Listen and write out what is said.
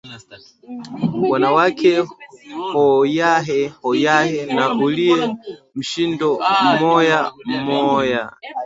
wanawake hoyahe hoyahe na ulie mshindo mmoya mmoya